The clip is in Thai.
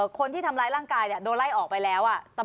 คนที่ทำร้ายร่างกายโดนไล่ออกไปแล้ว